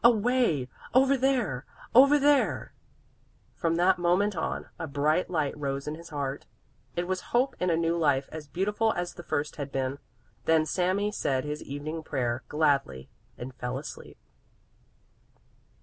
away! Over there! over there!" From that moment on a bright light rose in his heart. It was hope in a new life as beautiful as the first had been. Then Sami said his evening prayer gladly and fell asleep.